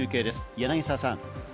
柳沢さん。